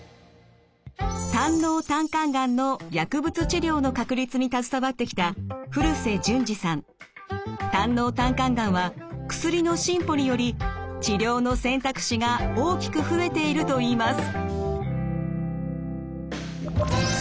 胆のう・胆管がんの薬物治療の確立に携わってきた胆のう・胆管がんは薬の進歩により治療の選択肢が大きく増えているといいます。